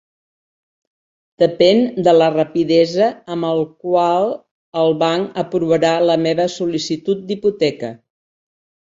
Depèn de la rapidesa amb el qual el banc aprovarà la meva sol·licitud d'hipoteca.